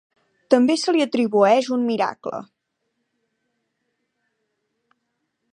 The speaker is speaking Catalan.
També se li atribueix un miracle.